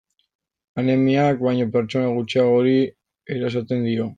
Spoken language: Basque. Anemiak baino pertsona gutxiagori erasaten dio.